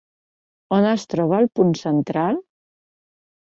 On es troba el punt central?